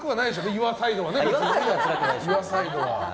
岩サイドはね。